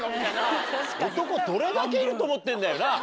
男どれだけいると思ってんだよな。